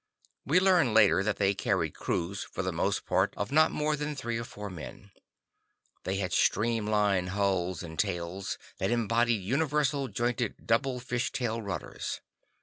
We learned later that they carried crews, for the most part of not more than three or four men. They had streamline hulls and tails that embodied universal jointed double fish tail rudders.